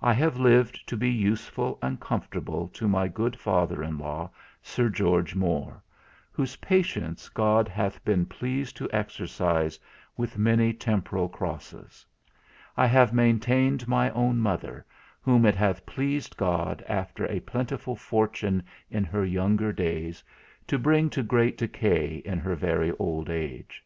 I have lived to be useful and comfortable to my good Father in law, Sir George More, whose patience God hath been pleased to exercise with many temporal crosses; I have maintained my own mother, whom it hath pleased God, after a plentiful fortune in her younger days, to bring to great decay in her very old age.